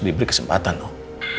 diberi kesempatan loh